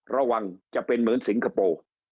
ระวังจะเป็นเหมือนสิงคโปร์